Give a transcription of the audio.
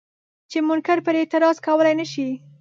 چې منکر پرې اعتراض کولی نه شي.